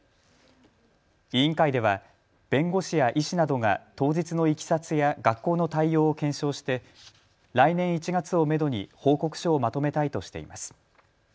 委員会では弁護士や医師などが当日のいきさつや学校の対応を検証して来年１月をめどに報告書をまとめたいとしています。